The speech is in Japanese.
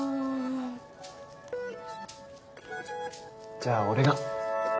じゃあ俺が。